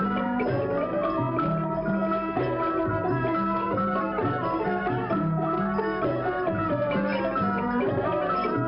มันมันมันมัน